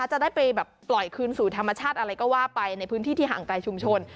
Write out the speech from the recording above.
จะได้ไปแบบปล่อยคืนสู่ธรรมชาติอะไรก็ว่าไปในพื้นที่ที่ห่างไกลชุมชน